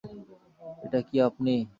এটা কি আপনি?